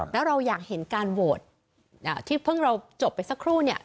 แล้วเราอยากเห็นการโหวตที่เพิ่งเราจบไปสักครู่เนี่ย